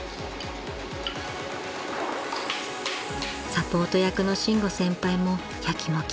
［サポート役の伸吾先輩もやきもき］